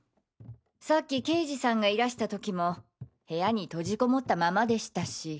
さっき刑事さんがいらした時も部屋に閉じこもったままでしたし。